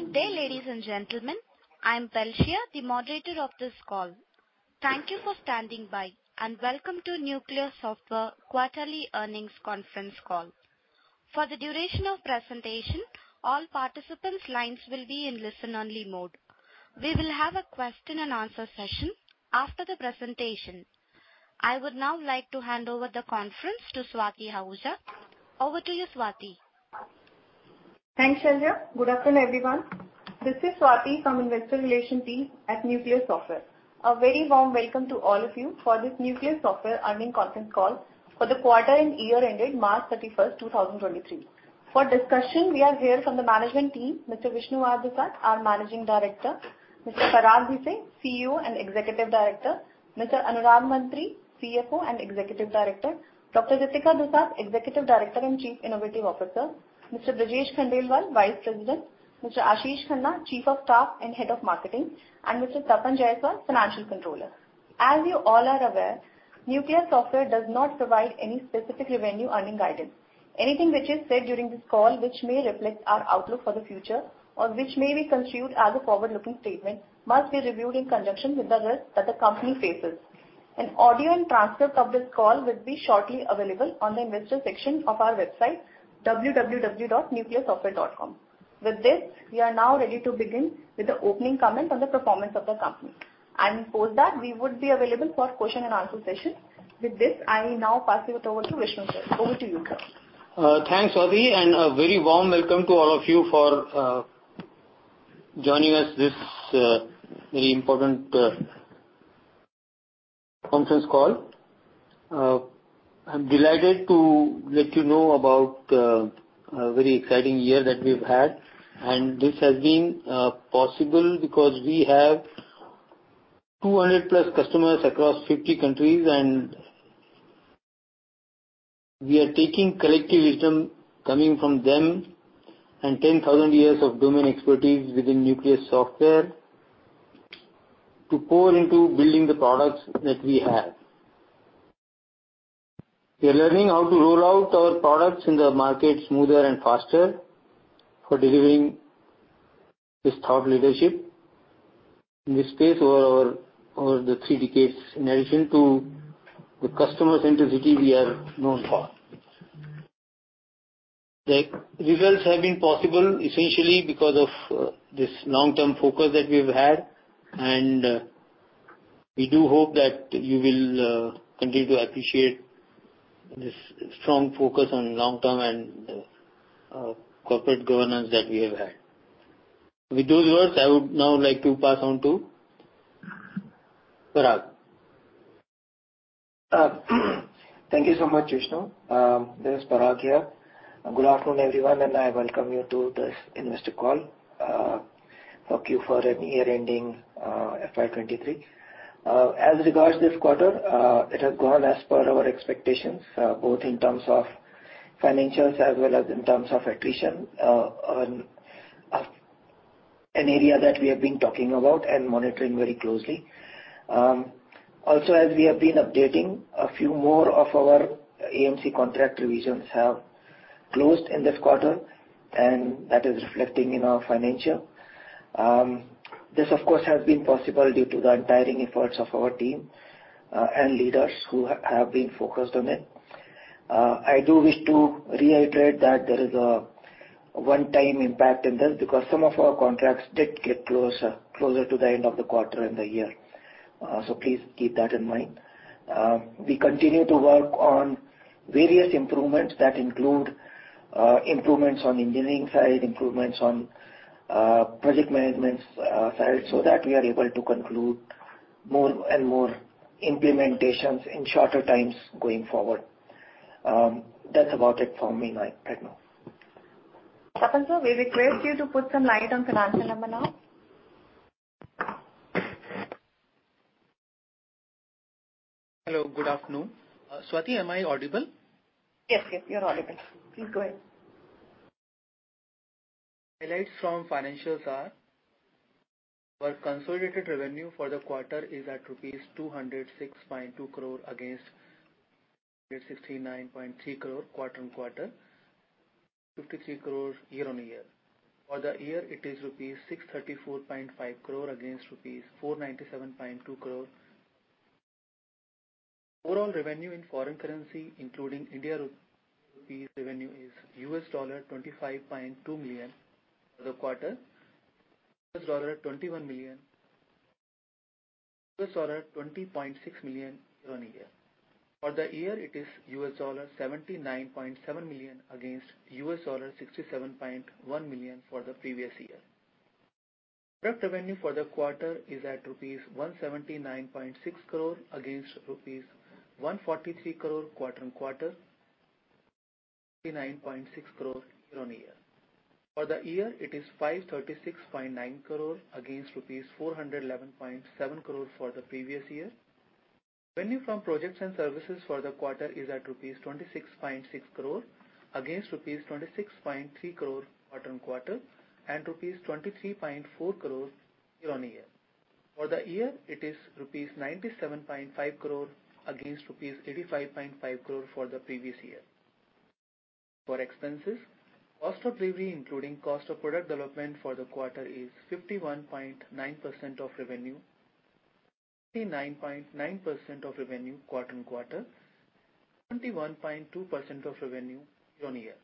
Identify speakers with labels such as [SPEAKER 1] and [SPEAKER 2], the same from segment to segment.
[SPEAKER 1] Good day, ladies and gentlemen. I'm Felicia, the moderator of this call. Thank you for standing by, and welcome to Nucleus Software Quarterly Earnings Conference Call. For the duration of presentation, all participants' lines will be in listen-only mode. We will have a question and answer session after the presentation. I would now like to hand over the conference to Swati Ahuja. Over to you, Swati.
[SPEAKER 2] Thanks, Felicia. Good afternoon, everyone. This is Swati from Investor Relations team at Nucleus Software. A very warm welcome to all of you for this Nucleus Software Earnings Conference Call for the quarter and year ended March 31st, 2023. For discussion, we are here from the management team, Mr. Vishnu R. Dusad, our Managing Director; Mr. Parag Bhise, CEO and Executive Director; Mr. Anurag Mantri, CFO and Executive Director; Dr. Ritika Dusad, Executive Director and Chief Innovation Officer; Mr. Brajesh Khandelwal, Vice President; Mr. Ashish Khanna, Chief of Staff and Head of Marketing; and Mr. Tapan Jayaswal, Financial Controller. As you all are aware, Nucleus Software does not provide any specific revenue earnings guidance. Anything which is said during this call, which may reflect our outlook for the future or which may be construed as a forward-looking statement, must be reviewed in conjunction with the risks that the company faces. An audio and transcript of this call will be shortly available on the investor section of our website, www.nucleussoftware.com. With this, we are now ready to begin with the opening comment on the performance of the company. For that, we would be available for question and answer session. With this, I will now pass it over to Vishnu. Over to you, sir.
[SPEAKER 3] Thanks, Swati, a very warm welcome to all of you for joining us this very important conference call. I'm delighted to let you know about a very exciting year that we've had. This has been possible because we have 200+ customers across 50 countries. We are taking collective wisdom coming from them and 10,000 years of domain expertise within Nucleus Software to pour into building the products that we have. We are learning how to roll out our products in the market smoother and faster for delivering this thought leadership in this space over the three decades, in addition to the customer centricity we are known for. The results have been possible essentially because of this long-term focus that we've had. We do hope that you will continue to appreciate this strong focus on long-term and corporate governance that we have had. With those words, I would now like to pass on to Parag.
[SPEAKER 4] Thank you so much, Vishnu. This is Parag here. Good afternoon, everyone, and I welcome you to this investor call for Q for an year ending, FY 2023. As regards this quarter, it has gone as per our expectations, both in terms of financials as well as in terms of accretion on an area that we have been talking about and monitoring very closely. Also, as we have been updating, a few more of our AMC contract revisions have closed in this quarter, and that is reflecting in our financial. This, of course, has been possible due to the untiring efforts of our team and leaders who have been focused on it. I do wish to reiterate that there is a one-time impact in this, because some of our contracts did get closer to the end of the quarter and the year. Please keep that in mind. We continue to work on various improvements that include improvements on engineering side, improvements on project management side, so that we are able to conclude more and more implementations in shorter times going forward. That's about it for me right now.
[SPEAKER 2] Tapan, Sir, we request you to put some light on financial number now.
[SPEAKER 5] Hello. Good afternoon. Swati, am I audible?
[SPEAKER 2] Yes, you're audible. Please go ahead.
[SPEAKER 5] Highlights from financials are: our consolidated revenue for the quarter is at rupees 206.2 crore against 69.3 crore, quarter-on-quarter, 53 crore year-on-year. For the year, it is rupees 634.5 crore against rupees 497.2 crore. Overall revenue in foreign currency, including India rupees revenue, is $25.2 million for the quarter, $20.6 million year-on-year. For the year, it is $79.7 million against $67.1 million for the previous year. Product revenue for the quarter is at rupees 179.6 crore, against rupees 143 crore quarter-on-quarter, 99.6 crore year-on-year. For the year, it is 536.9 crore against rupees 411.7 crore for the previous year. Revenue from projects and services for the quarter is at rupees 26.6 crore, against rupees 26.3 crore quarter-on-quarter, and rupees 23.4 crore year-on-year. For the year, it is rupees 97.5 crore, against rupees 85.5 crore for the previous year. For expenses, cost of revenue, including cost of product development for the quarter, is 51.9% of revenue. 99.9% of revenue quarter-on-quarter, 21.2% of revenue year-on-year.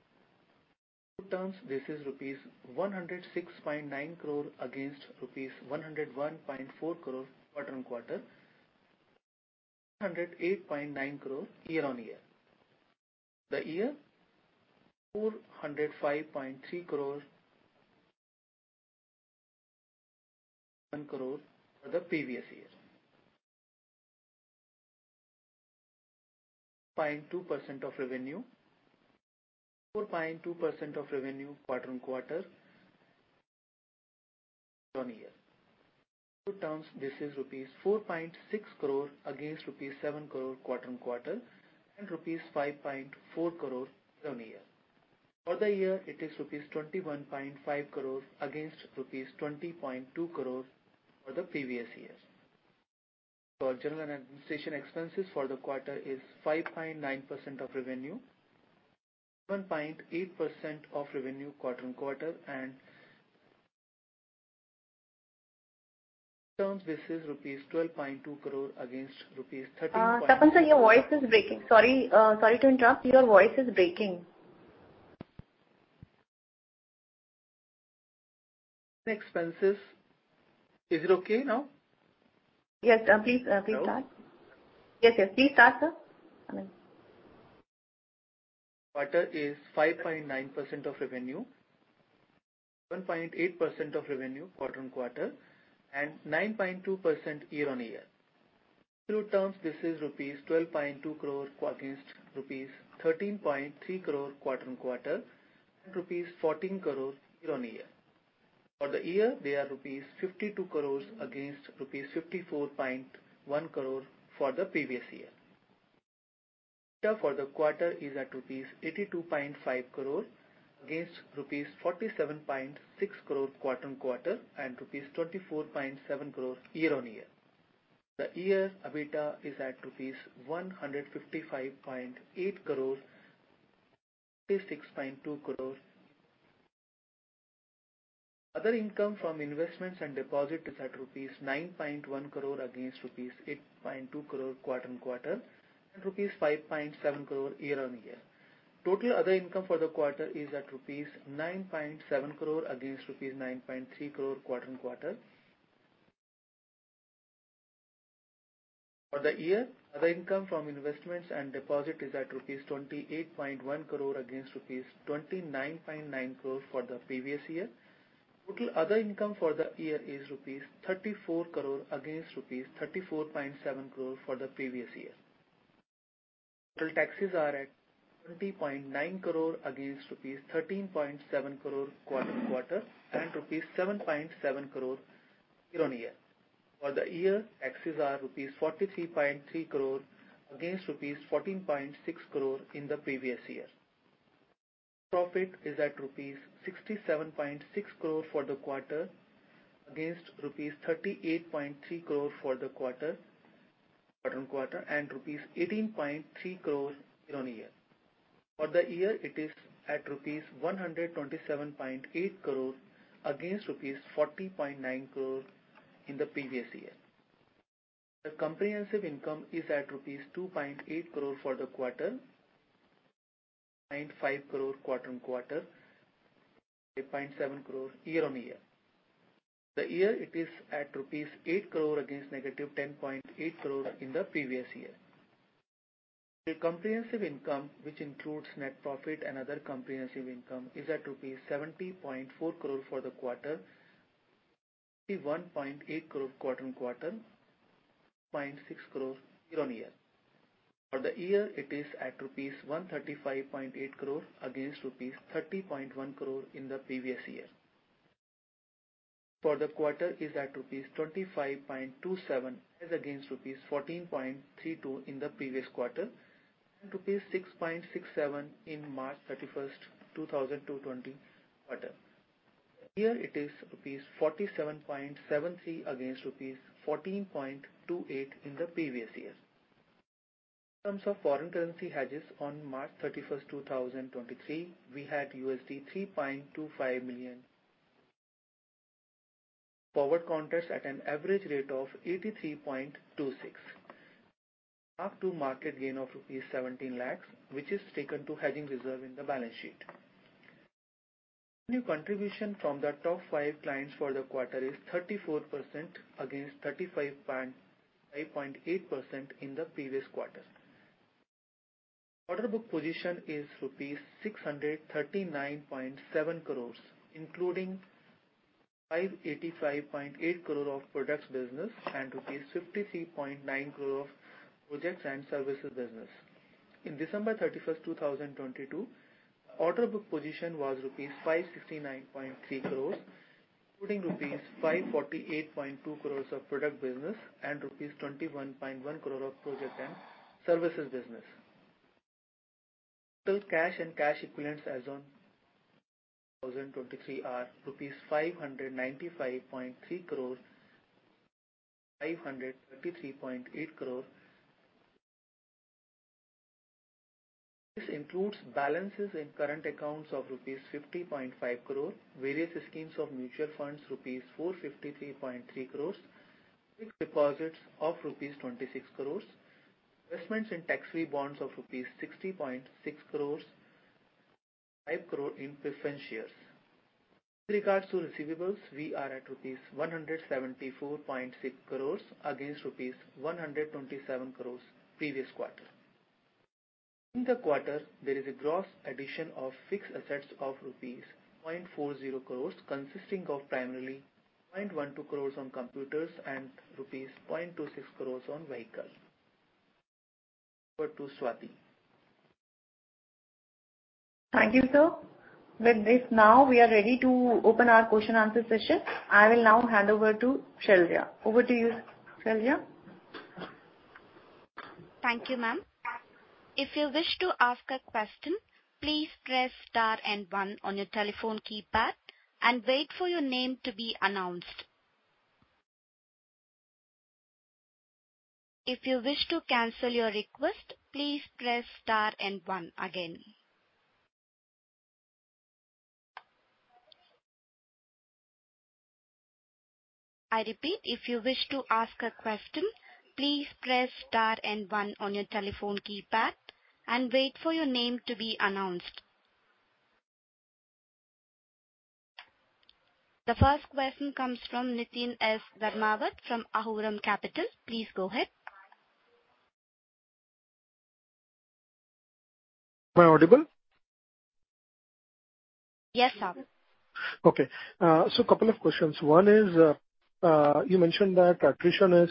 [SPEAKER 5] In terms, this is rupees 106.9 crore against rupees 101.4 crore, quarter-on-quarter, 108.9 crore rupees year-on-year. The year, 405.3 crore rupees against 386.7 crore rupees for the previous year. Marketing and sales expense for the quarter is 2.2% of revenue against 4.2% of revenue quarter-on-quarter, and 3.5% year-on-year. In absoulte terms, this is rupees 4.6 crore against rupees 7 crore, quarter-on-quarter, and rupees 5.4 crore year-on-year. For the year, it is rupees 21.5 crore against rupees 20.2 crore for the previous year. Our general administration expenses for the quarter is 5.9% of revenue, 7.8% of revenue quarter-on-quarter, and in terms, this is INR 12.2 crore against INR 13.3 crore-
[SPEAKER 2] Tapan, Sir, your voice is breaking. Sorry, sorry to interrupt. Your voice is breaking.
[SPEAKER 5] Expenses. Is it okay now?
[SPEAKER 2] Yes, please start.
[SPEAKER 5] Hello?
[SPEAKER 2] Yes, yes. Please start, sir.
[SPEAKER 5] Quarter is 5.9% of revenue, 7.8% of revenue quarter-on-quarter, and 9.2% year-on-year. In absolute terms, this is rupees 12.2 crore against rupees 13.3 crore, quarter-on-quarter, and rupees 14 crore year-on-year. For the year, they are rupees 52 crore against rupees 54.1 crore for the previous year. EBITDA for the quarter is at rupees 82.5 crore, against rupees 47.6 crore, quarter-on-quarter, and INR 34.7 crore year-on-year. The year, EBITDA is at rupees 155.8 crore, 66.2 crore. Other income from investments and deposits is at rupees 9.1 crore, against rupees 8.2 crore, quarter-on-quarter, and rupees 5.7 crore, year-on-year. Total other income for the quarter is at rupees 9.7 crore, against 9.3 crore rupees, quarter-on-quarter. For the year, other income from investments and deposit is at rupees 28.1 crore, against rupees 29.9 crore for the previous year. Total other income for the year is rupees 34 crore, against rupees 34.7 crore for the previous year. Total taxes are at 20.9 crore, against rupees 13.7 crore, quarter-on-quarter, and rupees 7.7 crore, year-on-year. For the year, taxes are rupees 43.3 crore, against rupees 14.6 crore in the previous year. Profit is at rupees 67.6 crore for the quarter, against rupees 38.3 crore for the quarter-on-quarter, and rupees 18.3 crore year-on-year. For the year, it is at rupees 127.8 crore, against rupees 40.9 crore in the previous year. The comprehensive income is at INR 2.8 crore for the quarter, 0.5 crore, quarter-on-quarter, 0.7 crore, year-on-year. The year, it is at rupees 8 crore against negative 10.8 crore in the previous year. The comprehensive income, which includes net profit and other comprehensive income, is at rupees 70.4 crore for the quarter, the 1.8 crore, quarter-on-quarter, 0.6 crore, year-on-year. For the year, it is at rupees 135.8 crore, against rupees 30.1 crore in the previous year. For the quarter, is at rupees 25.27, as against rupees 14.32 in the previous quarter, and 6.67 in March 31st, 2020 quarter. Here, it is rupees 47.73, against rupees 14.28 in the previous year. In terms of foreign currency hedges, on March 31st, 2023, we had $3.25 million. Forward counters at an average rate of 83.26. Up to market gain of rupees 17 lakh, which is taken to hedging reserve in the balance sheet. New contribution from the top five clients for the quarter is 34%, against 35.8% in the previous quarter. Order book position is rupees 639.7 crore, including 585.8 crore of products business and rupees 53.9 crore of projects and services business. In December 31st, 2022, order book position was INR 569.3 crore, including INR 548.2 crore of product business and INR 21.1 crore of project and services business. Total cash and cash equivalents as on March 31, 2023 are INR 595.3 crore against Rs. 533.8 crore as on Dec 31, 2022. This includes balances in current accounts of rupees 50.5 crore, various schemes of mutual funds, rupees 453.3 crore, fixed deposits of rupees 26 crore, investments in tax-free bonds of rupees 60.6 crore, 5 crore in preference shares. With regards to receivables, we are at rupees 174.6 crore against rupees 127 crore previous quarter. In the quarter, there is a gross addition of fixed assets of rupees 0.40 crore, consisting of primarily 0.12 crore on computers and rupees 0.26 crore on vehicles. Over to Swati.
[SPEAKER 2] Thank you, sir. With this now, we are ready to open our question-answer session. I will now hand over to Shailja. Over to you, Shailja.
[SPEAKER 1] Thank you, ma'am. If you wish to ask a question, please press star and one on your telephone keypad and wait for your name to be announced. If you wish to cancel your request, please press star and one again. I repeat, if you wish to ask a question, please press star and one on your telephone keypad and wait for your name to be announced. The first question comes from Niteen S Dharmavat from Aurum Capital. Please go ahead.
[SPEAKER 6] Am I audible?
[SPEAKER 1] Yes, sir.
[SPEAKER 6] Okay. so a couple of questions. One is, you mentioned that attrition is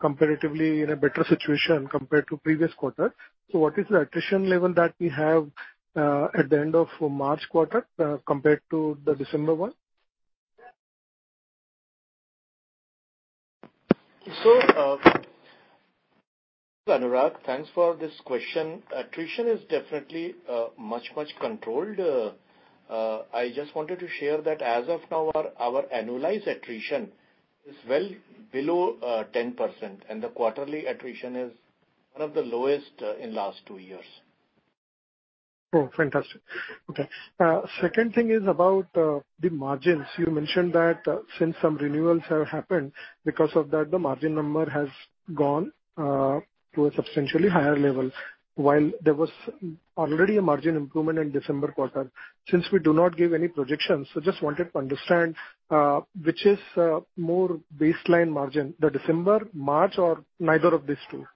[SPEAKER 6] comparatively in a better situation compared to previous quarter. What is the attrition level that we have at the end of March quarter compared to the December one?
[SPEAKER 7] This is Anurag, thanks for this question. Attrition is definitely much-much controlled. I just wanted to share that as of now, our annualized attrition is well below 10%, and the quarterly attrition is one of the lowest in last two years.
[SPEAKER 6] Fantastic. Okay. Second thing is about the margins. You mentioned that since some renewals have happened, because of that, the margin number has gone to a substantially higher level while there was already a margin improvement in December quarter. Since we do not give any projections, just wanted to understand which is more baseline margin, the December, March, or neither of these two?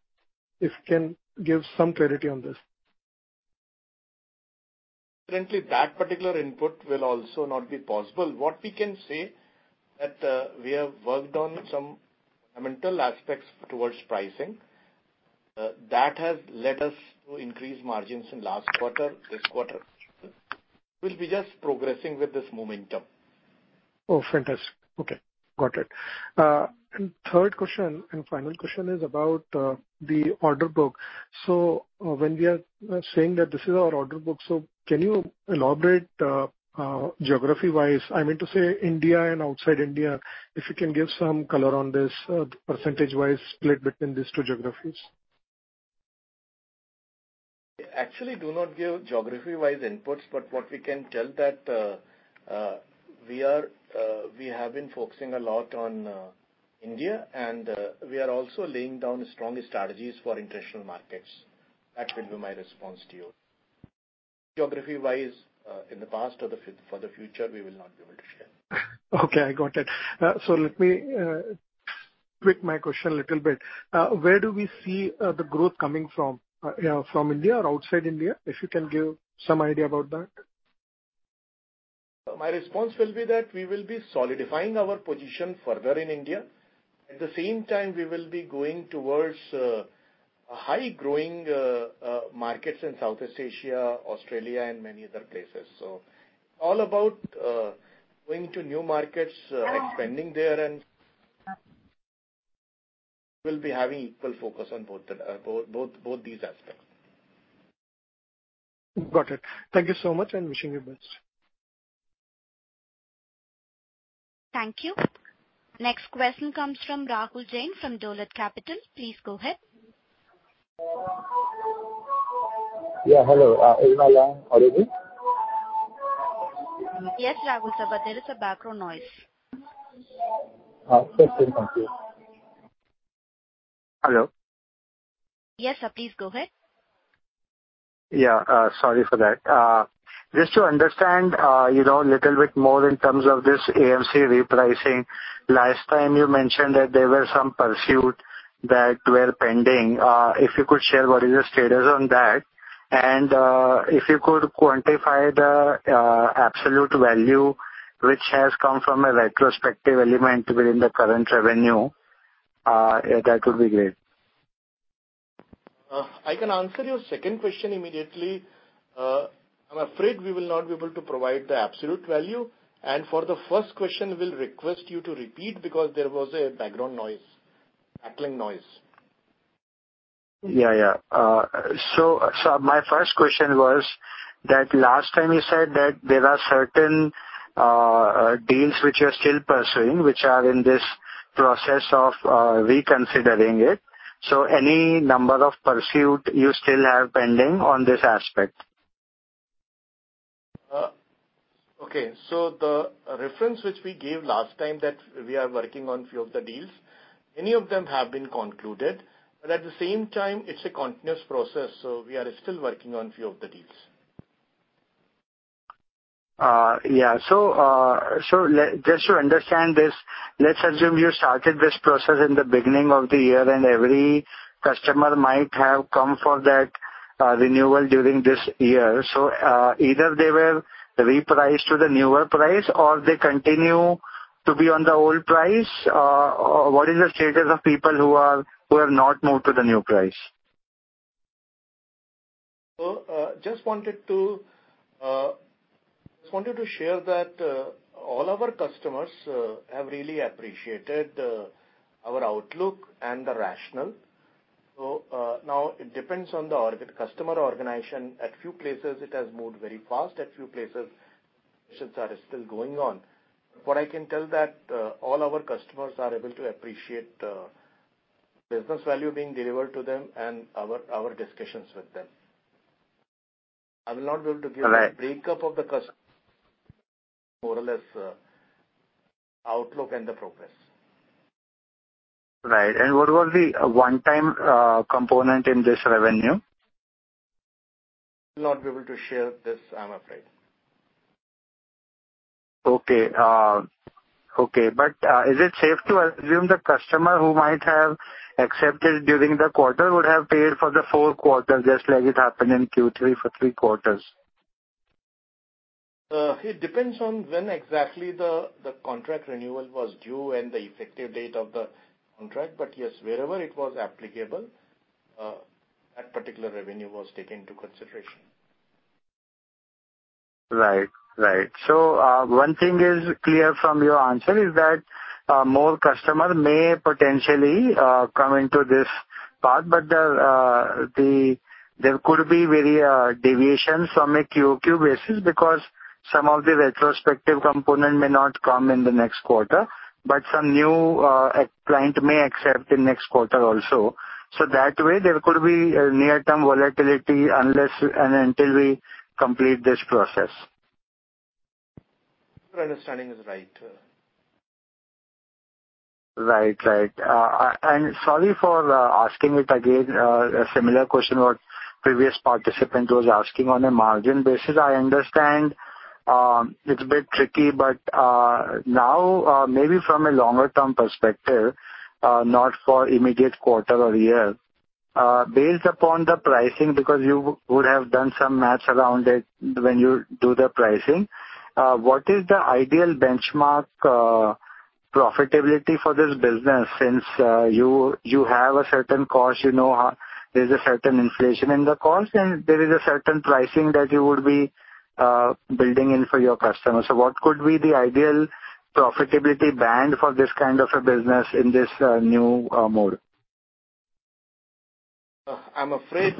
[SPEAKER 6] If you can give some clarity on this.
[SPEAKER 7] Currently, that particular input will also not be possible. What we can say that, we have worked on some mental aspects towards pricing, that has led us to increase margins in last quarter, this quarter. We'll be just progressing with this momentum.
[SPEAKER 6] Oh, fantastic. Okay, got it. Third question and final question is about the order book. When we are saying that this is our order book, can you elaborate geography-wise? I mean to say India and outside India, if you can give some color on this, percentage-wise split between these two geographies.
[SPEAKER 7] Do not give geography-wise inputs, but what we can tell that we have been focusing a lot on India, and we are also laying down strong strategies for international markets. That will be my response to you. Geography-wise, in the past or for the future, we will not be able to share.
[SPEAKER 6] Okay, I got it. Let me tweak my question a little bit. Where do we see the growth coming from? From India or outside India, if you can give some idea about that?
[SPEAKER 7] My response will be that we will be solidifying our position further in India. At the same time, we will be going towards, high growing, markets in Southeast Asia, Australia, and many other places. All about, going to new markets, expanding there, and we'll be having equal focus on both these aspects.
[SPEAKER 6] Got it. Thank you so much, and wishing you the best.
[SPEAKER 1] Thank you. Next question comes from Rahul Jain, from Dolat Capital. Please go ahead.
[SPEAKER 8] Yeah, hello. Is my line audible?
[SPEAKER 1] Yes, Rahul, sir, but there is a background noise.
[SPEAKER 8] Yes. Thank you. Hello.
[SPEAKER 1] Yes, sir, please go ahead.
[SPEAKER 8] Yeah, sorry for that. Just to understand, you know, little bit more in terms of this AMC repricing. Last time you mentioned that there were some pursuit that were pending. If you could share, what is the status on that? If you could quantify the absolute value, which has come from a retrospective element within the current revenue, that would be great.
[SPEAKER 7] I can answer your second question immediately. I'm afraid we will not be able to provide the absolute value. For the first question, we'll request you to repeat because there was a background noise, rattling noise.
[SPEAKER 8] Yeah, yeah. My first question was that last time you said that there are certain deals which you are still pursuing, which are in this process of reconsidering it. Any number of pursuit you still have pending on this aspect?
[SPEAKER 7] Okay. The reference which we gave last time that we are working on few of the deals, many of them have been concluded, but at the same time, it's a continuous process, so we are still working on few of the deals.
[SPEAKER 8] Yeah. Just to understand this, let's assume you started this process in the beginning of the year, and every customer might have come for that renewal during this year. Either they were repriced to the newer price or they continue to be on the old price. What is the status of people who have not moved to the new price?
[SPEAKER 7] Just wanted to share that, all our customers, have really appreciated, our outlook and the rationale. Now it depends on the customer organization. At few places, it has moved very fast. At few places, decisions are still going on. What I can tell that, all our customers are able to appreciate the business value being delivered to them and our discussions with them. I will not be able to give-
[SPEAKER 8] Right.
[SPEAKER 7] A breakup of the, more or less, outlook and the progress.
[SPEAKER 8] Right. What was the one-time component in this revenue?
[SPEAKER 7] Not be able to share this, I'm afraid.
[SPEAKER 8] Okay. Okay, is it safe to assume the customer who might have accepted during the quarter would have paid for the four quarters, just like it happened in Q3 for three quarters?
[SPEAKER 7] It depends on when exactly the contract renewal was due and the effective date of the contract. Yes, wherever it was applicable, that particular revenue was taken into consideration.
[SPEAKER 8] Right. Right. One thing is clear from your answer is that, more customer may potentially, come into this part, but there could be very, deviations from a Q basis, because some of the retrospective component may not come in the next quarter, but some new, client may accept in next quarter also. That way, there could be a near-term volatility unless and until we complete this process.
[SPEAKER 7] Your understanding is right.
[SPEAKER 8] Right. Right. Sorry for asking it again, a similar question what previous participant was asking on a margin basis. I understand, it's a bit tricky, but now, maybe from a longer-term perspective, not for immediate quarter or year, based upon the pricing, because you would have done some math around it when you do the pricing. What is the ideal benchmark profitability for this business? Since you have a certain cost, you know how there's a certain inflation in the cost, and there is a certain pricing that you would be building in for your customers. What could be the ideal profitability band for this kind of a business in this new mode?
[SPEAKER 7] I'm afraid,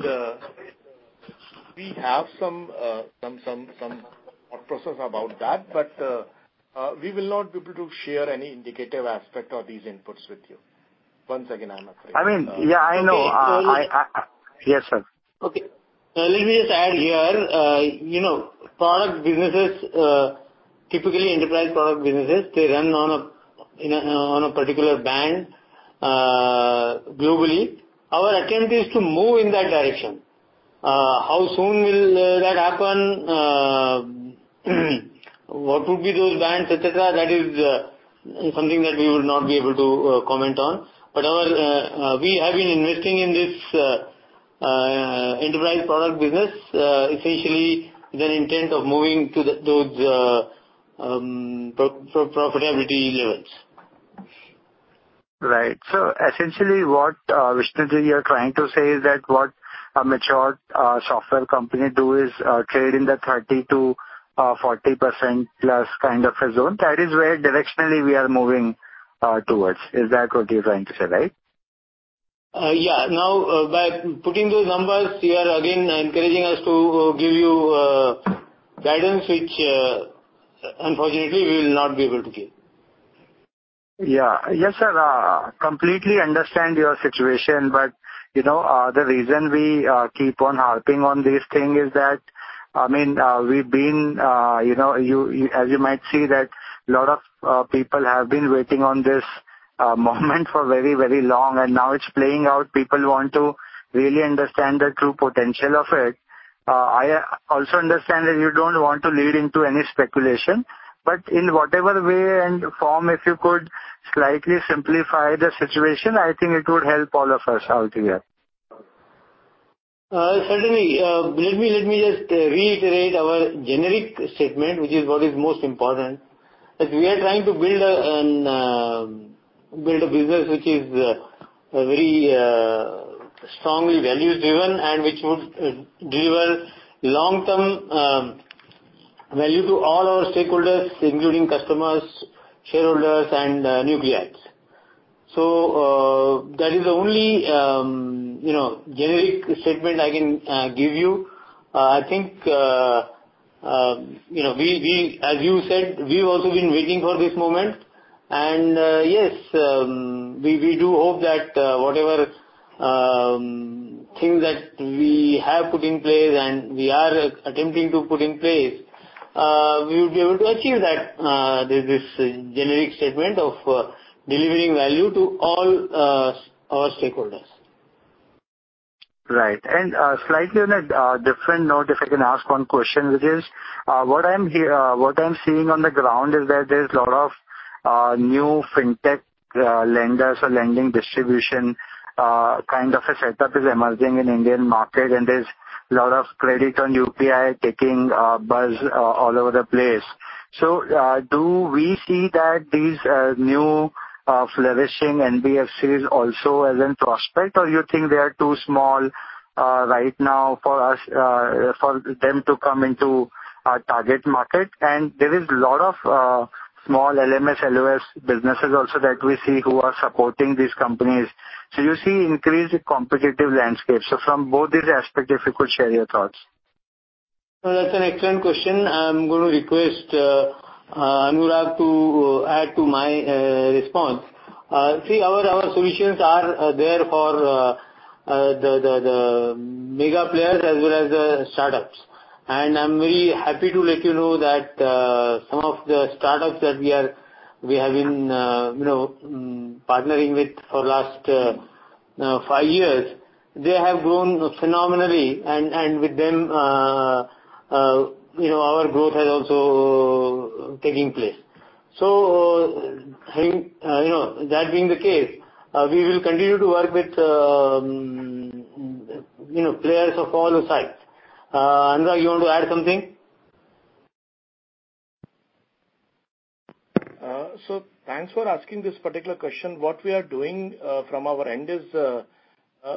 [SPEAKER 7] we have some process about that, but we will not be able to share any indicative aspect or these inputs with you. Once again, I'm afraid.
[SPEAKER 8] I mean, yeah, I know. Yes, sir.
[SPEAKER 3] Okay. Let me just add here, you know, product businesses, typically enterprise product businesses, they run on a particular band, globally. Our attempt is to move in that direction. How soon will that happen? What would be those bands, et cetera? That is something that we would not be able to comment on. Our, we have been investing in this enterprise product business, essentially with an intent of moving to the, those, profitability levels.
[SPEAKER 8] Right. essentially, what Vishnu, you're trying to say is that what a mature software company do is trade in the 30% to 40%+ kind of a zone. That is where directionally we are moving towards. Is that what you're trying to say, right?
[SPEAKER 3] Yeah. Now, by putting those numbers, you are again encouraging us to give you guidance, which, unfortunately, we will not be able to give.
[SPEAKER 8] Yeah. Yes, sir, completely understand your situation, but, you know, the reason we keep on harping on this thing is that, I mean, we've been, you know, you, as you might see that a lot of people have been waiting on this moment for very, very long, and now it's playing out. People want to really understand the true potential of it. I also understand that you don't want to lead into any speculation, but in whatever way and form, if you could slightly simplify the situation, I think it would help all of us out here.
[SPEAKER 3] Certainly. Let me just reiterate our generic statement, which is what is most important, that we are trying to build a business which is very strongly values-driven and which would deliver long-term value to all our stakeholders, including customers, shareholders, and Nucleus. That is the only, you know, generic statement I can give you. I think, you know, we, as you said, we've also been waiting for this moment. Yes, we do hope that whatever things that we have put in place and we are attempting to put in place, we would be able to achieve that this generic statement of delivering value to all our stakeholders.
[SPEAKER 8] Right. Slightly on a different note, if I can ask one question, which is what I'm seeing on the ground is that there's a lot of new fintech lenders or lending distribution kind of a setup is emerging in Indian market, and there's a lot of credit on UPI taking buzz all over the place. Do we see that these new flourishing NBFCs also as in prospect, or you think they are too small right now for us for them to come into our target market? There is a lot of small LMS, LOS businesses also that we see who are supporting these companies. You see increased competitive landscape. From both these aspects, if you could share your thoughts?
[SPEAKER 3] That's an excellent question. I'm going to request Anurag to add to my response. See, our solutions are there for the mega players as well as the startups. I'm very happy to let you know that some of the startups that we are, we have been, you know, partnering with for last five years, they have grown phenomenally, and with them, you know, our growth has also taking place. I think, you know, that being the case, we will continue to work with, you know, players of all sides. Anurag, you want to add something?
[SPEAKER 7] Thanks for asking this particular question. What we are doing from our end is,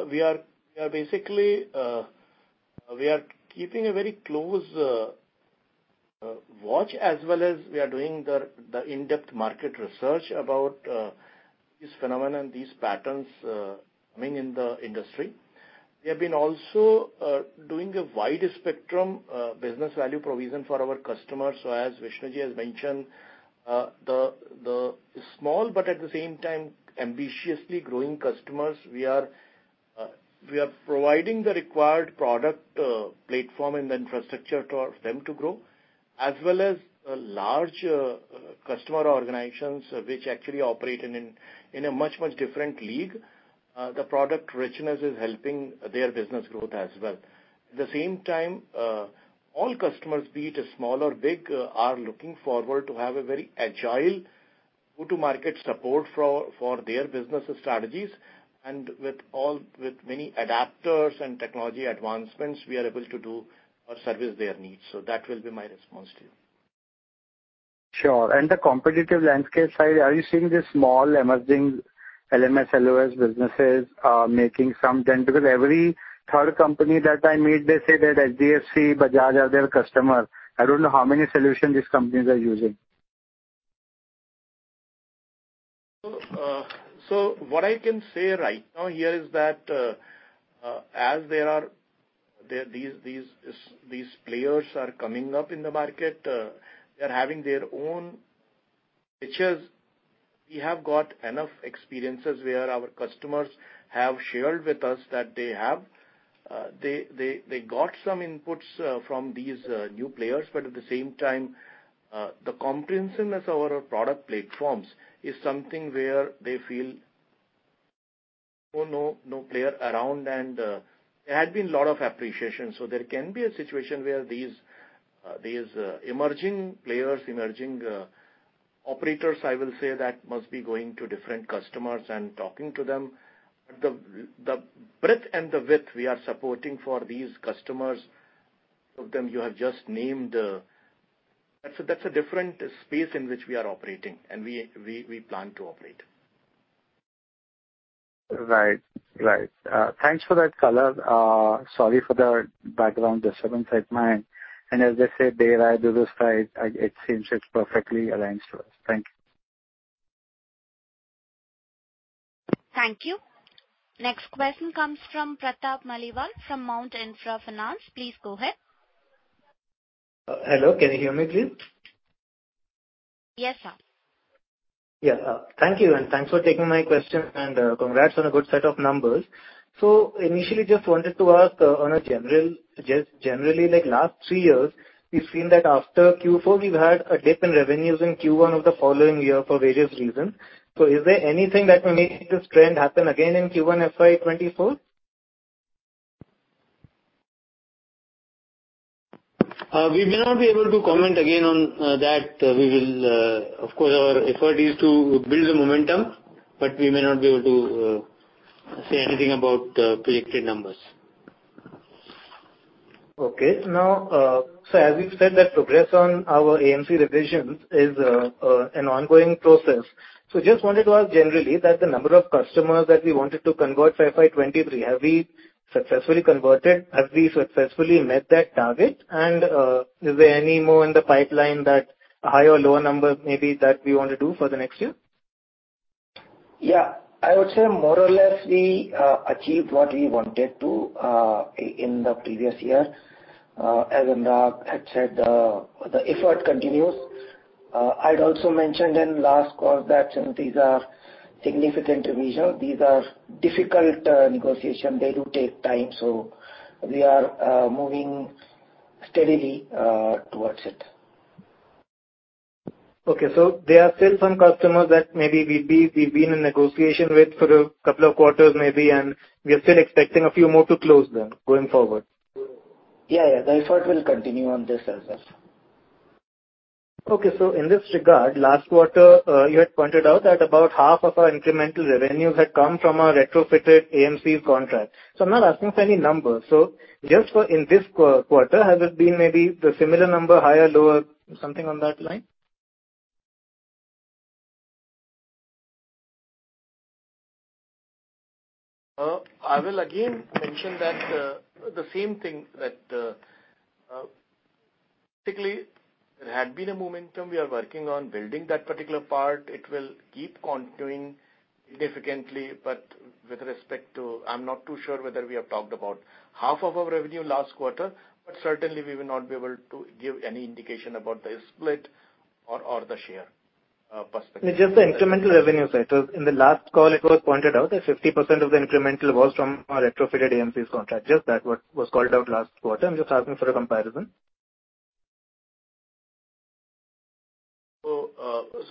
[SPEAKER 7] we are basically, we are keeping a very close watch as well as we are doing the in-depth market research about this phenomenon, these patterns coming in the industry. We have been also doing a wide spectrum business value provision for our customers. So as Vishnu sir has mentioned, the small, but at the same time, ambitiously growing customers, we are providing the required product platform and infrastructure for them to grow, as well as a large customer organizations which actually operate in a much, much different league. The product richness is helping their business growth as well At the same time, all customers, be it small or big, are looking forward to have a very agile go-to-market support for their business strategies. With many adapters and technology advancements, we are able to do or service their needs. That will be my response to you.
[SPEAKER 8] Sure. The competitive landscape side, are you seeing the small emerging LMS, LOS businesses, making some dent? Because every third company that I meet, they say that HDFC, Bajaj, are their customer. I don't know how many solutions these companies are using.
[SPEAKER 7] What I can say right now here is that, as there are these players are coming up in the market, they're having their own pitches. We have got enough experiences where our customers have shared with us that they have, they got some inputs from these new players. At the same time, the comprehensiveness of our product platforms is something where they feel no player around. There had been a lot of appreciation. There can be a situation where these emerging players, emerging operators, I will say, that must be going to different customers and talking to them. The, the breadth and the width we are supporting for these customers, of them you have just named, that's a, that's a different space in which we are operating, and we plan to operate.
[SPEAKER 8] Right. Right. Thanks for that color. Sorry for the background disturbance at mine. As I said, they ride to this side, it seems it's perfectly aligned to us. Thank you.
[SPEAKER 1] Thank you. Next question comes from Pratap Maliwal from Mount Intra Finance. Please go ahead.
[SPEAKER 9] Hello, can you hear me, please?
[SPEAKER 1] Yes, sir.
[SPEAKER 9] Thank you, and thanks for taking my question, and congrats on a good set of numbers. Initially, just wanted to ask, on a general, just generally, like last three years, we've seen that after Q4, we've had a dip in revenues in Q1 of the following year for various reasons. Is there anything that will make this trend happen again in Q1 FY 2024?
[SPEAKER 3] We may not be able to comment again on that. We will, of course, our effort is to build the momentum, but we may not be able to say anything about projected numbers.
[SPEAKER 9] Okay. Now, as you said, that progress on our AMC revisions is an ongoing process. Just wanted to ask generally that the number of customers that we wanted to convert by FY 2023, have we successfully converted? Have we successfully met that target? Is there any more in the pipeline that a higher or lower number maybe that we want to do for the next year?
[SPEAKER 4] ...Yeah, I would say more or less, we achieved what we wanted to in the previous year. As Anurag had said, the effort continues. I'd also mentioned in last call that these are significant revision. These are difficult negotiation. They do take time, we are moving steadily towards it.
[SPEAKER 9] There are still some customers that maybe we've been in negotiation with for a couple of quarters maybe, and we are still expecting a few more to close then, going forward?
[SPEAKER 4] Yeah, yeah. The effort will continue on this as well.
[SPEAKER 9] Okay. In this regard, last quarter, you had pointed out that about half of our incremental revenues had come from our retrofitted AMCs contract. I'm not asking for any numbers. Just for in this quarter, has it been maybe the similar number, higher, lower, something on that line?
[SPEAKER 7] I will again mention that the same thing, that basically, there had been a momentum. We are working on building that particular part. It will keep continuing significantly, but with respect to. I'm not too sure whether we have talked about half of our revenue last quarter, but certainly we will not be able to give any indication about the split or the share perspective.
[SPEAKER 9] Just the incremental revenue side. In the last call, it was pointed out that 50% of the incremental was from our retrofitted AMC contract. Just that what was called out last quarter. I'm just asking for a comparison.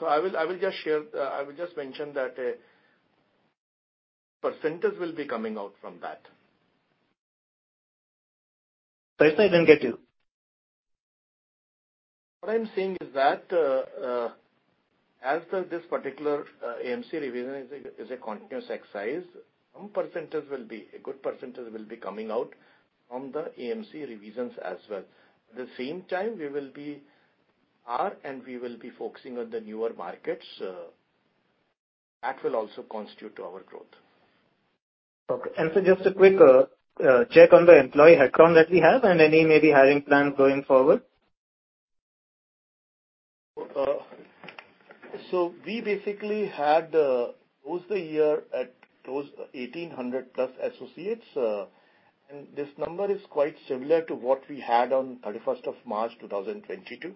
[SPEAKER 7] I will just share, I will just mention that a percentage will be coming out from that.
[SPEAKER 9] Sorry, sir, I didn't get you.
[SPEAKER 7] What I'm saying is that, as per this particular AMC revision is a continuous exercise, a good percentage will be coming out from the AMC revisions as well. At the same time, we will be focusing on the newer markets. That will also constitute to our growth.
[SPEAKER 9] Okay. Just a quick check on the employee headcount that we have and any maybe hiring plans going forward.
[SPEAKER 7] We basically had closed the year at close to 1,800+ associates. This number is quite similar to what we had on March 31st, 2022.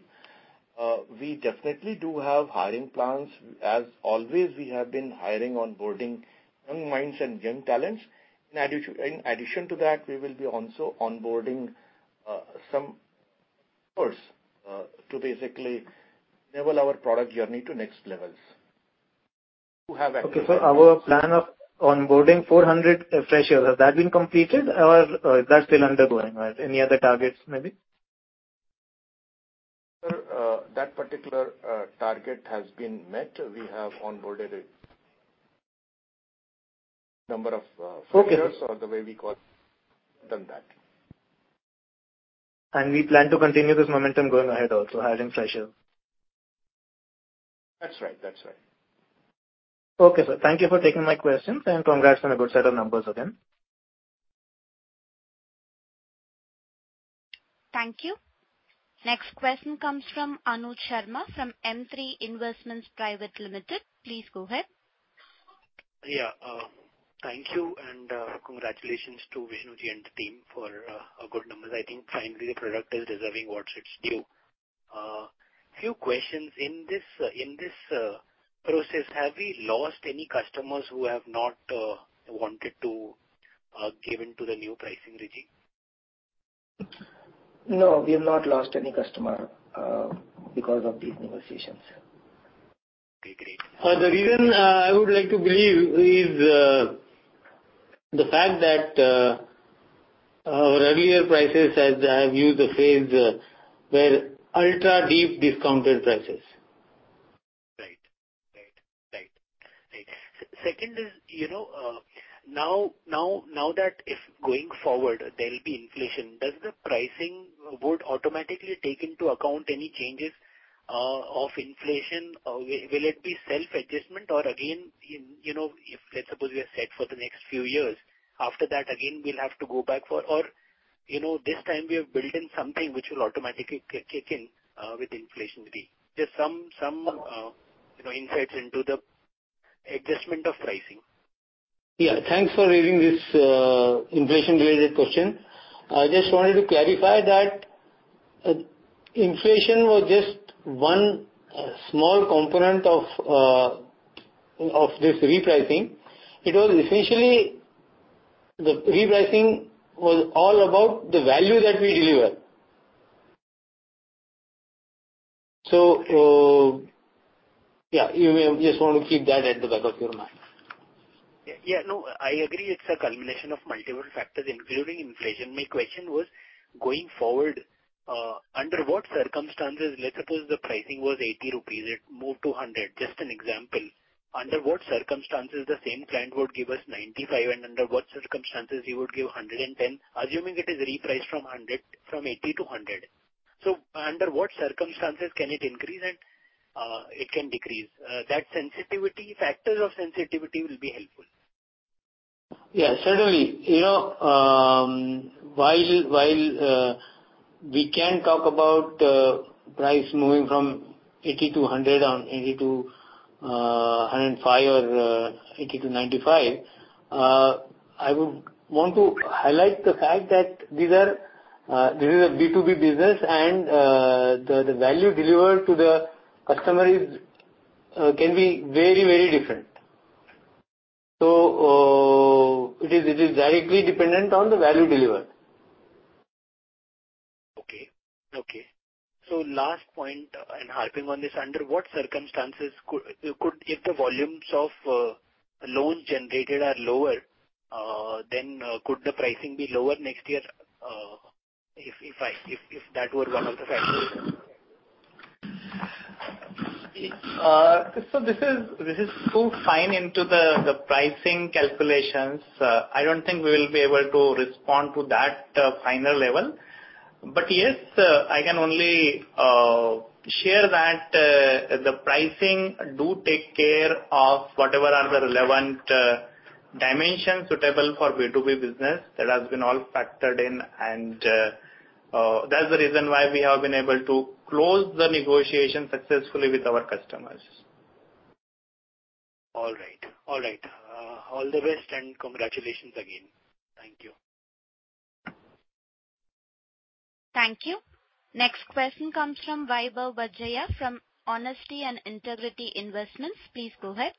[SPEAKER 7] We definitely do have hiring plans. As always, we have been hiring, onboarding young minds and young talents. In addition to that, we will be also onboarding some resources to basically level our product journey to next levels.
[SPEAKER 9] Okay, sir, our plan of onboarding 400 freshers, has that been completed or is that still undergoing? Any other targets, maybe?
[SPEAKER 7] That particular target has been met. We have onboarded a number of freshers.
[SPEAKER 9] Okay.
[SPEAKER 7] or the way we call, done that.
[SPEAKER 9] We plan to continue this momentum going ahead also, hiring freshers?
[SPEAKER 7] That's right. That's right.
[SPEAKER 9] Okay, sir. Thank you for taking my questions. Congrats on a good set of numbers again.
[SPEAKER 1] Thank you. Next question comes from Anuj Sharma, from M3 Investment Private Limited. Please go ahead.
[SPEAKER 10] Thank you and congratulations to Vishnu ji and the team for a good numbers. I think finally the product is deserving what it's due. Few questions. In this, in this process, have we lost any customers who have not wanted to give in to the new pricing regime?
[SPEAKER 4] No, we have not lost any customer, because of these negotiations.
[SPEAKER 10] Okay, great.
[SPEAKER 3] The reason I would like to believe is the fact that our earlier prices, as I have used the phrase, were ultra deep discounted prices.
[SPEAKER 10] Right. Right. Right. Right. Second is, you know, now that if going forward there will be inflation, does the pricing board automatically take into account any changes of inflation? Will it be self-adjustment or again, you know, if let's suppose we are set for the next few years, after that, again, we'll have to go back for... You know, this time we have built in something which will automatically kick in with inflation degree. Just some, you know, insights into the adjustment of pricing.
[SPEAKER 3] Yeah. Thanks for raising this, inflation-related question. I just wanted to clarify that, inflation was just one small component of this repricing. It was essentially, the repricing was all about the value that we deliver. Yeah, you may just want to keep that at the back of your mind.
[SPEAKER 10] Yeah, yeah. No, I agree. It's a culmination of multiple factors, including inflation. My question was, going forward, under what circumstances, let's suppose the pricing was 80 rupees, it moved to 100, just an example. Under what circumstances the same client would give us 95, and under what circumstances he would give 110, assuming it is repriced from 100, from 80 to 100? Under what circumstances can it increase and it can decrease? That sensitivity, factors of sensitivity will be helpful.
[SPEAKER 3] Yeah, certainly, you know, while we can talk about price moving from 80 to 100 on 80 to 105 or 80 to 95, I would want to highlight the fact that this is a B2B business, and the value delivered to the customer is can be very, very different. It is directly dependent on the value delivered.
[SPEAKER 10] Okay. Okay. Last point, and harping on this, under what circumstances could, if the volumes of loan generated are lower, then, could the pricing be lower next year, if that were one of the factors?
[SPEAKER 11] This is too fine into the pricing calculations. I don't think we will be able to respond to that finer level. Yes, I can only share that the pricing do take care of whatever are the relevant dimensions suitable for B2B business. That has been all factored in, that's the reason why we have been able to close the negotiation successfully with our customers.
[SPEAKER 10] All right. All right. All the best. Congratulations again. Thank you.
[SPEAKER 1] Thank you. Next question comes from Vaibhav Badjatya from Honesty and Integrity Investments. Please go ahead.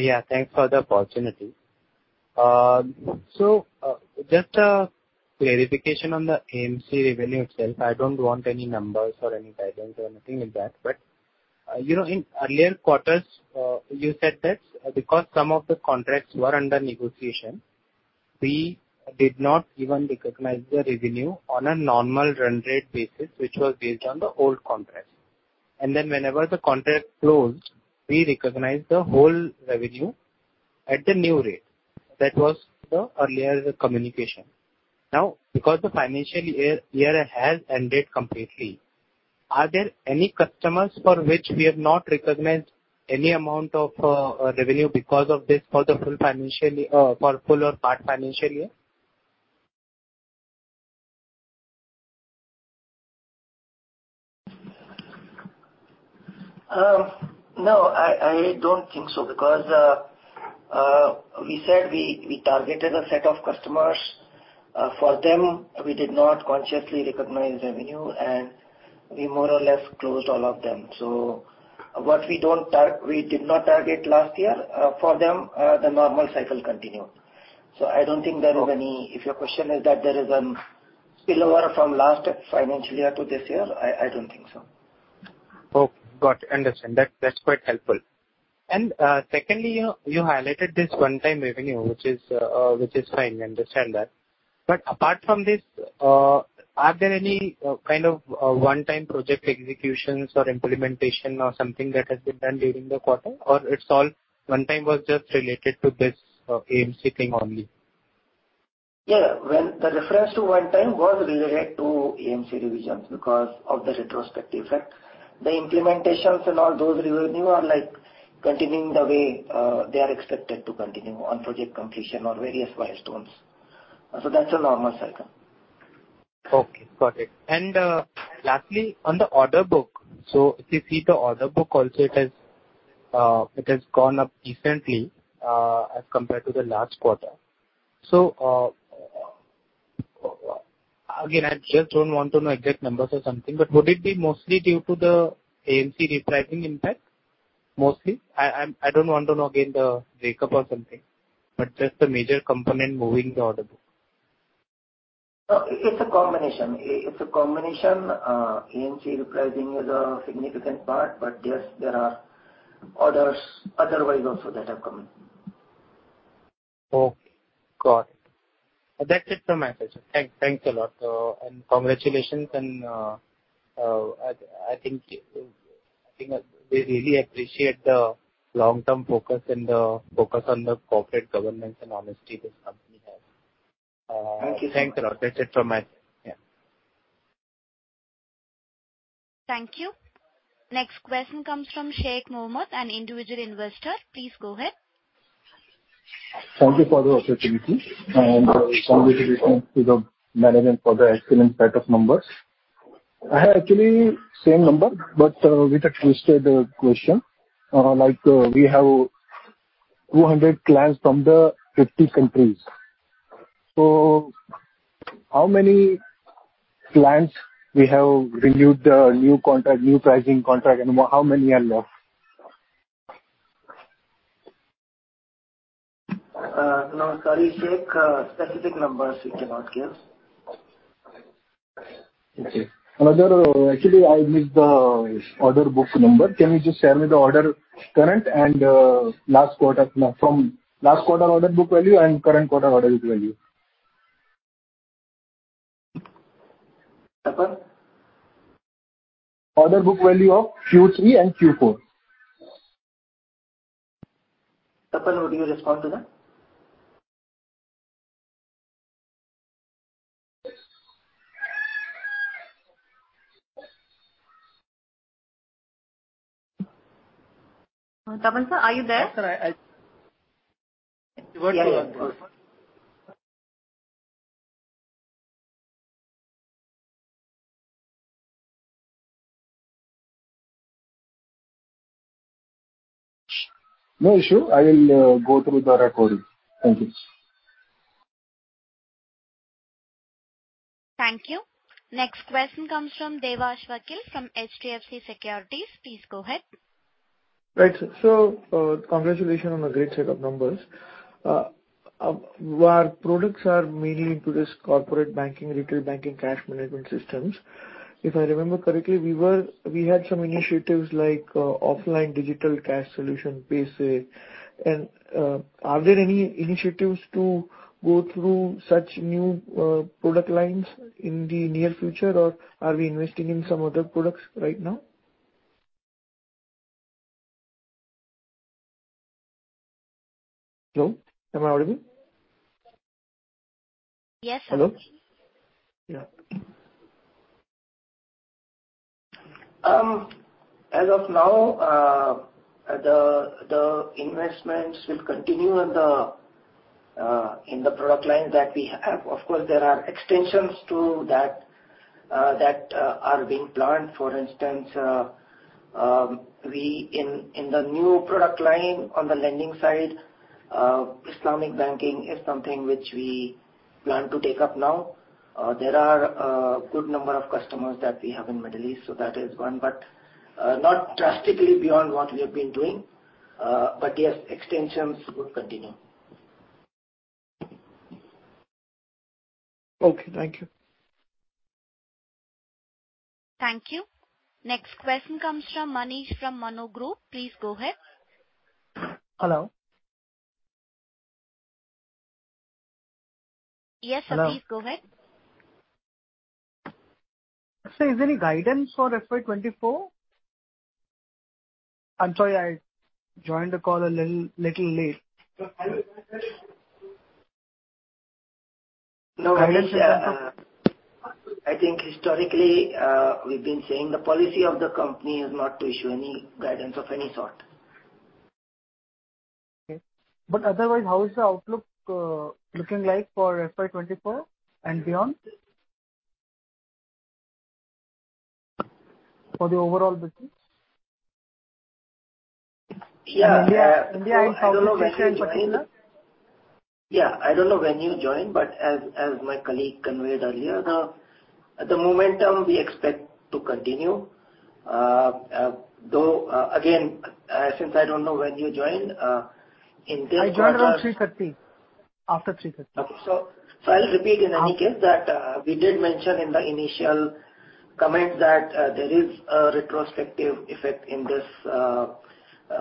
[SPEAKER 12] Yeah, thanks for the opportunity. Just a clarification on the AMC revenue itself. I don't want any numbers or any guidance or anything like that, but, you know, in earlier quarters, you said that because some of the contracts were under negotiation, we did not even recognize the revenue on a normal run rate basis, which was based on the old contract. Whenever the contract closed, we recognized the whole revenue at the new rate. That was the earlier communication. Because the financial year has ended completely, are there any customers for which we have not recognized any amount of revenue because of this for the full financial year, for full or part financial year?
[SPEAKER 4] No, I don't think so, because, we targeted a set of customers. For them, we did not consciously recognize revenue, and we more or less closed all of them. We did not target last year, for them, the normal cycle continued. I don't think there is any. If your question is that there is a spillover from last financial year to this year, I don't think so.
[SPEAKER 12] Okay, got it. Understand. That's quite helpful. Secondly, you highlighted this one-time revenue, which is fine, I understand that. Apart from this, are there any kind of one-time project executions or implementation or something that has been done during the quarter, or it's all one time was just related to this AMC thing only?
[SPEAKER 4] Yeah. Well, the reference to one time was related to AMC revisions because of the retrospective effect. The implementations and all those revenue are, like, continuing the way they are expected to continue on project completion or various milestones. That's a normal cycle.
[SPEAKER 12] Okay, got it. Lastly, on the order book, if you see the order book also, it has gone up decently as compared to the last quarter. Again, I just don't want to know exact numbers or something, but would it be mostly due to the AMC repricing impact, mostly? I don't want to know again, the breakup or something, but just the major component moving the order book.
[SPEAKER 4] It's a combination. AMC repricing is a significant part, but yes, there are orders otherwise also that have come in.
[SPEAKER 12] Okay, got it. That's it from my side. Thanks a lot, and congratulations, and I think we really appreciate the long-term focus and the focus on the corporate governance and honesty this company has.
[SPEAKER 4] Thank you.
[SPEAKER 12] Thanks a lot. That's it from my end. Yeah.
[SPEAKER 1] Thank you. Next question comes from Sheikh Mohammed, an individual investor. Please go ahead.
[SPEAKER 13] Thank you for the opportunity, and congratulations to the management for the excellent set of numbers. I have actually same number, but with a twisted question. Like, we have 200 clients from the 50 countries. How many clients we have renewed the new contract, new pricing contract, and how many are left?
[SPEAKER 4] No, sorry, Sheikh, specific numbers we cannot give.
[SPEAKER 13] Okay. Another, actually, I missed the order book number. Can you just share me the order current and last quarter order book value and current quarter order book value?
[SPEAKER 4] Tapan?
[SPEAKER 13] Order Book value of Q3 and Q4.
[SPEAKER 4] Tapan, would you respond to that?
[SPEAKER 2] Tapan, sir, are you there?
[SPEAKER 13] No issue. I will go through the recording. Thank you.
[SPEAKER 1] Thank you. Next question comes from Devarsh Vakil, from HDFC Securities. Please go ahead.
[SPEAKER 14] Right, sir. Congratulations on a great set of numbers. Our products are mainly into this corporate banking, retail banking, cash management systems. If I remember correctly, we had some initiatives like offline digital cash solution, PaySe, and are there any initiatives to go through such new product lines in the near future, or are we investing in some other products right now? Hello, am I audible?
[SPEAKER 1] Yes.
[SPEAKER 14] Hello. Yeah.
[SPEAKER 4] As of now, the investments will continue in the product line that we have. Of course, there are extensions to that that are being planned. For instance, we, in the new product line on the lending side, Islamic banking is something which we plan to take up now. There are a good number of customers that we have in Middle East, so that is one, but not drastically beyond what we have been doing. Yes, extensions would continue.
[SPEAKER 14] Okay. Thank you.
[SPEAKER 1] Thank you. Next question comes from Manish, from Mano Group. Please go ahead.
[SPEAKER 15] Hello?
[SPEAKER 1] Yes, sir.
[SPEAKER 15] Hello.
[SPEAKER 1] Please go ahead.
[SPEAKER 15] Sir, is there any guidance for FY 2024? I'm sorry, I joined the call a little late.
[SPEAKER 4] I think historically, we've been saying the policy of the company is not to issue any guidance of any sort.
[SPEAKER 15] Okay. Otherwise, how is the outlook looking like for FY 2024 and beyond? For the overall business.
[SPEAKER 4] Yeah.
[SPEAKER 15] India-
[SPEAKER 4] Yeah, I don't know when you joined. Yeah, I don't know when you joined, but as my colleague conveyed earlier, the momentum we expect to continue. Though, again, since I don't know when you joined, in this.
[SPEAKER 15] I joined on 3:30. After 3:30 P.M.
[SPEAKER 4] I'll repeat in any case, that we did mention in the initial comment that there is a retrospective effect in this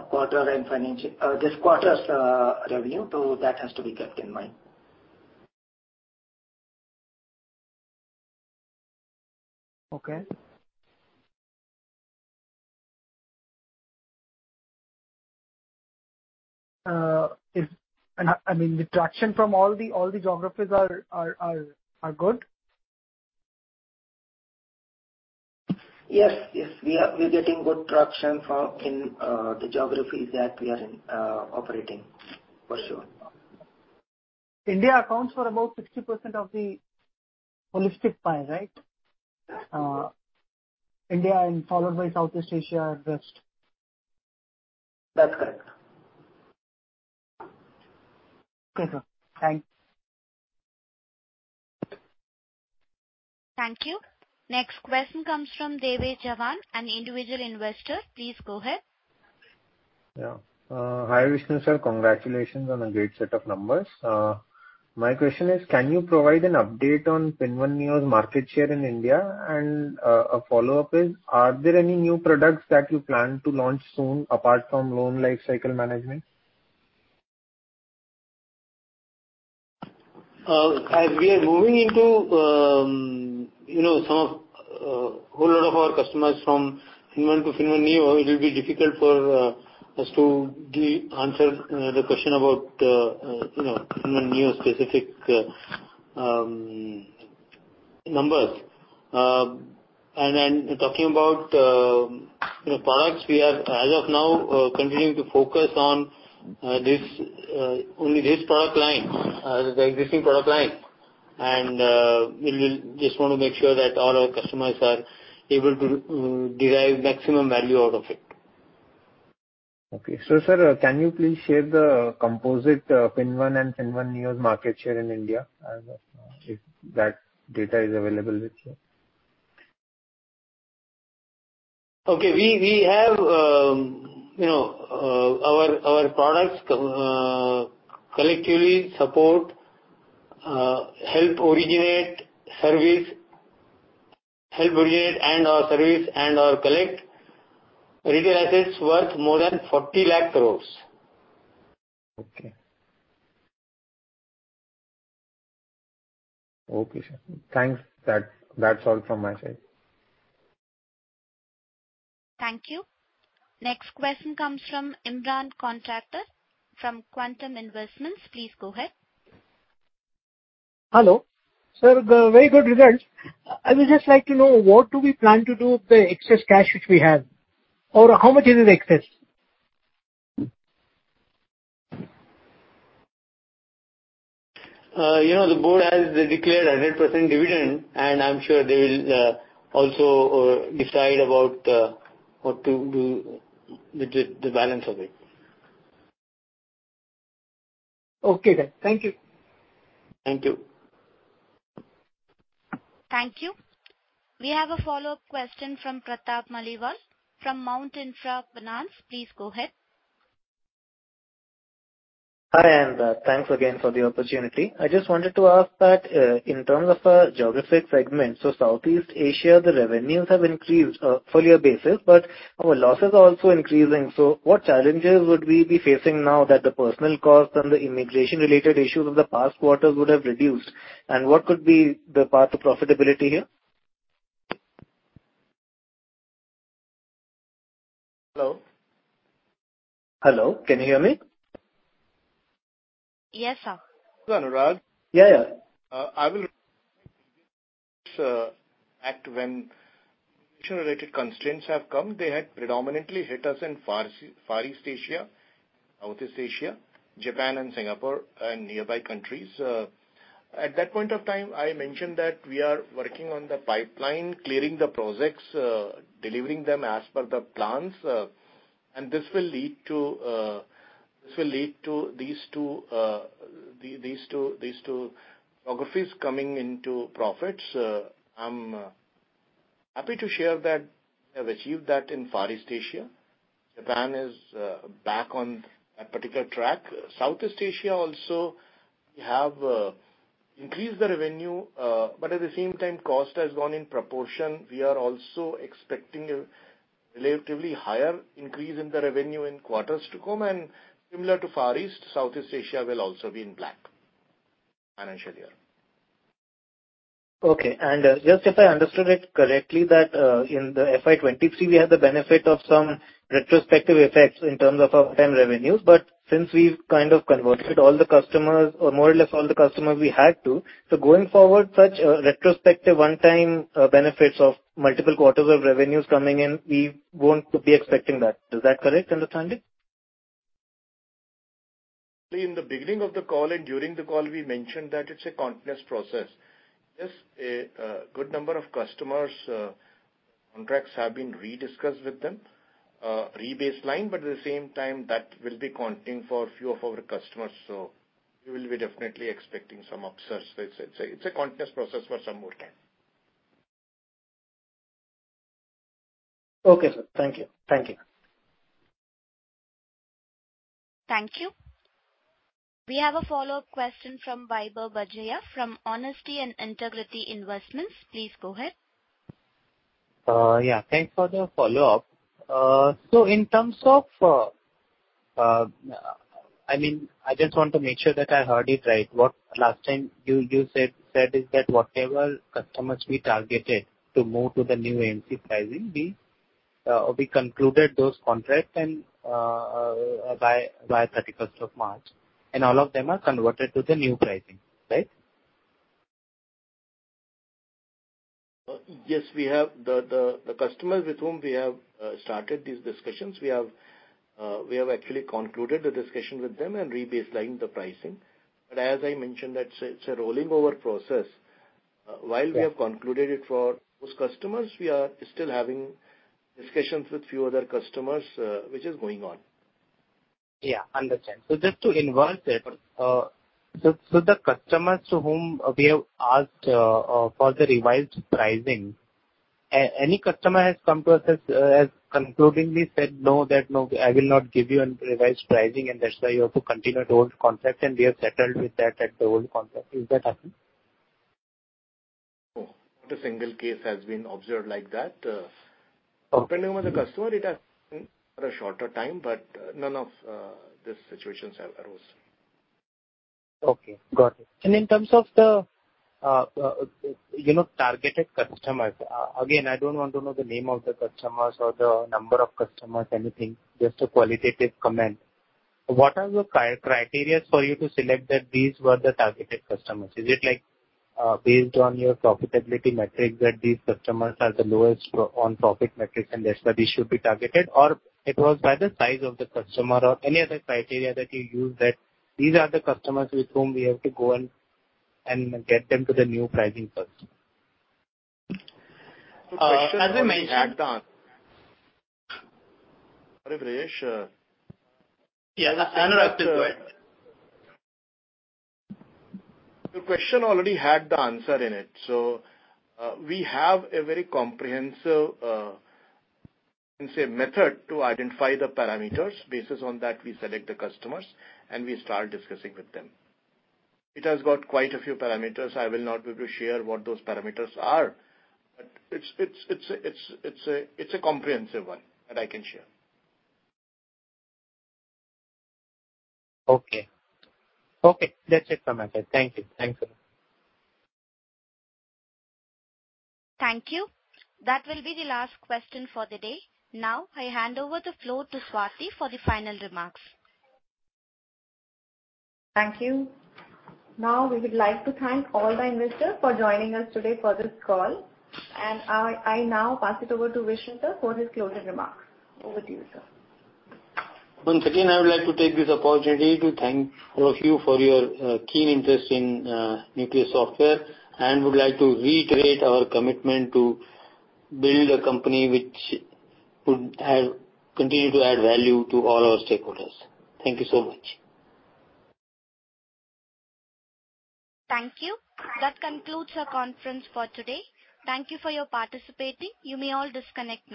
[SPEAKER 4] quarter and this quarter's revenue. That has to be kept in mind.
[SPEAKER 15] Okay. I mean, the traction from all the geographies are good?
[SPEAKER 4] Yes, we're getting good traction from, in, the geographies that we are in, operating, for sure.
[SPEAKER 15] India accounts for about 60% of the holistic pie, right? India and followed by Southeast Asia and West.
[SPEAKER 4] That's correct.
[SPEAKER 15] Okay, sir. Thank you.
[SPEAKER 1] Thank you. Next question comes from Devish Jawan, an Individual Investor. Please go ahead.
[SPEAKER 16] Yeah. Hi, Vishnu sir. Congratulations on a great set of numbers. My question is, can you provide an update on FinnOne Neo's market share in India? A follow-up is, are there any new products that you plan to launch soon, apart from loan life cycle management?
[SPEAKER 3] As we are moving into, you know, some of, whole lot of our customers from FinnOne to FinnOne Neo, it will be difficult for us to give answer the question about, you know, FinnOne Neo specific numbers. Talking about the products, we are, as of now, continuing to focus on this only this product line, the existing product line. We will just want to make sure that all our customers are able to derive maximum value out of it.
[SPEAKER 16] Okay. sir, can you please share the composite FinnOne and FinnOne Neo's market share in India, as if that data is available with you?
[SPEAKER 3] Okay. We have, you know, our products, collectively support, help originate and/or service and/or collect retail assets worth more than 40 lakh crore.
[SPEAKER 16] Okay. Okay, sir. Thanks. That's all from my side.
[SPEAKER 1] Thank you. Next question comes from Imran Contractor, from Quantum Investments. Please go ahead.
[SPEAKER 17] Hello. Sir, the very good results. I would just like to know, what do we plan to do with the excess cash which we have, or how much is the excess?
[SPEAKER 3] You know, the board has declared 100% dividend, and I'm sure they will also decide about what to do with the balance of it.
[SPEAKER 17] Okay, then. Thank you.
[SPEAKER 3] Thank you.
[SPEAKER 1] Thank you. We have a follow-up question from Pratap Maliwal from Mount Intra Finance. Please go ahead.
[SPEAKER 9] Hi, thanks again for the opportunity. I just wanted to ask that in terms of our geographic segment, Southeast Asia, the revenues have increased, full year basis, but our losses are also increasing. What challenges would we be facing now that the personnel costs and the immigration-related issues of the past quarters would have reduced? What could be the path to profitability here?
[SPEAKER 7] Hello?
[SPEAKER 9] Hello, can you hear me?
[SPEAKER 1] Yes, sir.
[SPEAKER 7] Hello, Anurag.
[SPEAKER 9] Yeah, yeah.
[SPEAKER 7] I will back to when visa-related constraints have come, they had predominantly hit us in Far East Asia, Southeast Asia, Japan and Singapore and nearby countries. At that point of time, I mentioned that we are working on the pipeline, clearing the projects, delivering them as per the plans. This will lead to these two geographies coming into profits. I'm happy to share that we have achieved that in Far East Asia. Japan is back on that particular track. Southeast Asia also, we have increased the revenue, at the same time, cost has gone in proportion. We are also expecting a relatively higher increase in the revenue in quarters to come, similar to Far East, Southeast Asia will also be in black financial year.
[SPEAKER 9] Okay. just if I understood it correctly, that in the FY 2023, we had the benefit of some retrospective effects in terms of one-time revenues. since we've kind of converted all the customers, or more or less all the customers we had to, so going forward, such retrospective one-time benefits of multiple quarters of revenues coming in, we won't be expecting that. Is that correct, understood?
[SPEAKER 7] In the beginning of the call and during the call, we mentioned that it's a continuous process. Yes, a good number of customers, contracts have been re-discussed with them, rebaselined, but at the same time, that will be continuing for a few of our customers. We will be definitely expecting some upsides. It's a continuous process for some more time.
[SPEAKER 9] Okay, sir. Thank you. Thank you.
[SPEAKER 1] Thank you. We have a follow-up question from Vaibhav Badjatya, from Honesty and Integrity Investments. Please go ahead.
[SPEAKER 12] Yeah, thanks for the follow-up. In terms of, I mean, I just want to make sure that I heard it right. What last time you said is that whatever customers we targeted to move to the new AMC pricing, we concluded those contracts and by March 31st, and all of them are converted to the new pricing, right?
[SPEAKER 7] Yes, we have the customers with whom we have started these discussions. We have actually concluded the discussion with them and rebaselined the pricing. As I mentioned, that's a, it's a rolling over process.
[SPEAKER 12] Yeah.
[SPEAKER 7] While we have concluded it for those customers, we are still having discussions with few other customers, which is going on.
[SPEAKER 12] Understand. Just to involve there, so the customers to whom we have asked for the revised pricing, any customer has come to us as concluding said, "No, that no, I will not give you a revised pricing, and that's why you have to continue the old contract," and we have settled with that at the old contract. Is that happened?
[SPEAKER 7] No. Not a single case has been observed like that.
[SPEAKER 12] Okay.
[SPEAKER 7] Depending on the customer, it has been for a shorter time, none of these situations have arose.
[SPEAKER 12] Okay, got it. In terms of the, you know, targeted customers, again, I don't want to know the name of the customers or the number of customers, anything, just a qualitative comment. What are the criteria for you to select that these were the targeted customers? Is it, like, based on your profitability metrics, that these customers are the lowest on profit metrics and that's why they should be targeted, or it was by the size of the customer, or any other criteria that you use, that these are the customers with whom we have to go and get them to the new pricing first?
[SPEAKER 7] As I mentioned-
[SPEAKER 3] Yeah, Anurag, please go ahead.
[SPEAKER 7] The question already had the answer in it. We have a very comprehensive method to identify the parameters. Basis on that, we select the customers, we start discussing with them. It has got quite a few parameters. I will not be able to share what those parameters are, but it's a comprehensive one that I can share.
[SPEAKER 12] Okay. Okay, that's it from my side. Thank you. Thank you.
[SPEAKER 1] Thank you. That will be the last question for the day. I hand over the floor to Swati for the final remarks.
[SPEAKER 2] Thank you. Now, we would like to thank all the investors for joining us today for this call, and I now pass it over to Vishnu sir for his closing remarks. Over to you, sir.
[SPEAKER 3] Once again, I would like to take this opportunity to thank all of you for your keen interest in Nucleus Software. Would like to reiterate our commitment to build a company which would Continue to add value to all our stakeholders. Thank you so much.
[SPEAKER 1] Thank you. That concludes our conference for today. Thank you for your participating. You may all disconnect now.